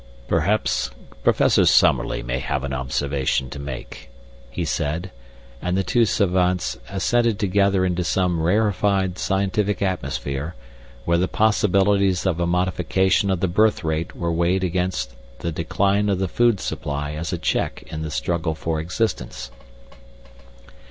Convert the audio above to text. "Perhaps Professor Summerlee may have an observation to make," he said, and the two savants ascended together into some rarefied scientific atmosphere, where the possibilities of a modification of the birth rate were weighed against the decline of the food supply as a check in the struggle for existence.